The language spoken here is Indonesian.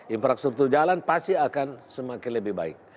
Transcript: infrastruktur jalan pasti akan semakin lebih baik